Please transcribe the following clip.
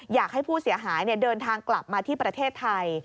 อยากให้ผู้เสียหายเดินทางกลับมาที่ประเทศไทย